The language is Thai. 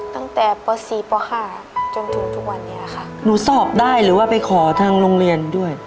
ตั้งแต่ป๔ป๕จนถึงทุกวันนี้ค่ะหนูสอบได้หรือว่าไปขอทางโรงเรียนด้วย